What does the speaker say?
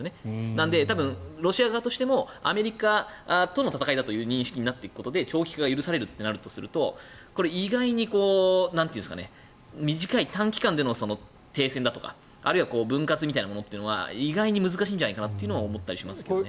なので、ロシア側としてもアメリカとの戦いだという認識になっていくことで長期化が許されるとなるとすると意外に短い短期間での停戦だとかあるいは分割みたいなものっていうのは意外に難しいんじゃないかなと思ったりしますけど。